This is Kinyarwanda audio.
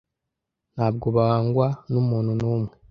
Ntabwo bangwa numuntu numwe.